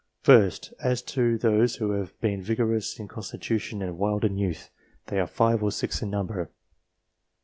First as to those who were both vigorous in constitution and wild in youth ; they are 5 or 6 in number.